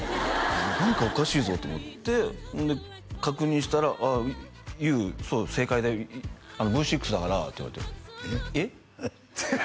何かおかしいぞと思って確認したら「ああＹＯＵそう正解だよ」「Ｖ６だから」って言われてえっ！？